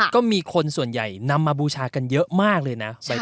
ก็มีคนส่วนใหญ่นำมาบูชากันเยอะมากเลยนะ